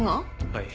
はい。